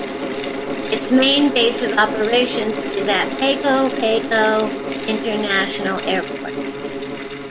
Its main base of operations is at Pago Pago International Airport.